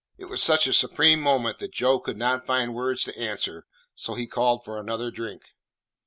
It was such a supreme moment that Joe could not find words to answer, so he called for another drink.